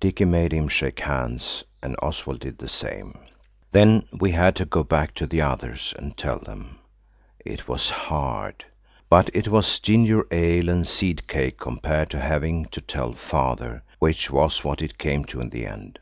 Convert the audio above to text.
Dicky made him shake hands, and Oswald did the same. Then we had to go back to the others and tell them. It was hard. But it was ginger ale and seed cake compared to having to tell Father, which was what it came to in the end.